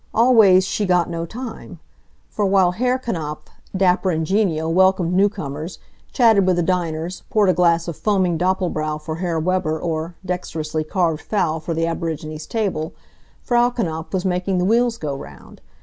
Always, she got no time. For while Herr Knapf, dapper and genial, welcomed new comers, chatted with the diners, poured a glass of foaming Doppel brau for Herr Weber or, dexterously carved fowl for the aborigines' table, Frau Knapf was making the wheels go round.